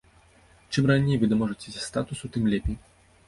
Чым раней вы даможацеся статусу, тым лепей.